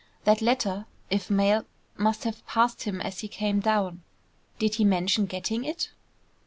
That letter, if mailed, must have passed him as he came down. Did he mention getting it?"